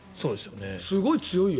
すごい強いよ。